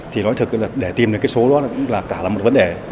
thì nói thật để tìm được số đó cũng là cả một vấn đề